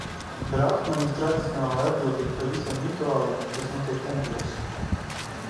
Brahmaņi tradicionāli ir atbildīgi par visiem rituāliem, kas notiek tempļos.